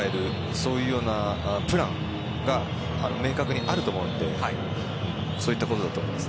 そういうようなプランが明確にあると思うのでそういったことだと思います。